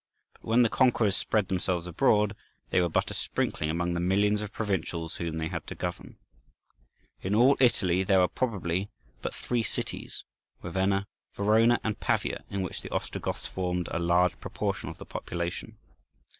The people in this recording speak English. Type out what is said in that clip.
But when the conquerors spread themselves abroad, they were but a sprinkling among the millions of provincials whom they had to govern. In all Italy there were probably but three cities—Ravenna, Verona, and Pavia—in which the Ostrogoths formed a large proportion of the population.